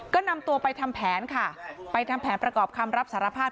ก็นำตัวไปทำแผนค่ะไปทำแผนประกอบคำรับสารภาพ